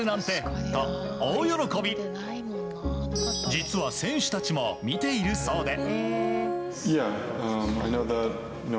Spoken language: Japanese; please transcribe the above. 実は、選手たちも見ているそうで。